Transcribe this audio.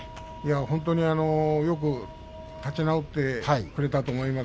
本当によく立ち直ってくれたと思います。